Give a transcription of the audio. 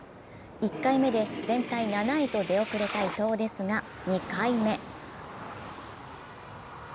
１回目で全体７位と出遅れた伊藤ですが、２回目。